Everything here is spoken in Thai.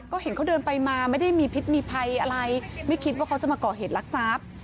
ก็เห็นเขาเดินไปมาไม่ได้มีพิษมีภัยอะไรไม่คิดว่าเขาจะมาก่อเหตุลักษัพ